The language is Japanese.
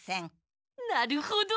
なるほど。